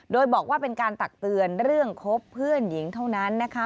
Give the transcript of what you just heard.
โดยบอกว่าเป็นการตักเตือนเรื่องคบเพื่อนหญิงเท่านั้นนะคะ